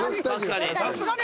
さすがに。